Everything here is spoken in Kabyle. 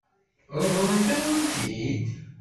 Ṛeḍlent-awen-t-id?